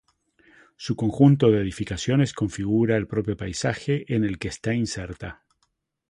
Su conjunto de edificaciones configura el propio paisaje en el que está inserta.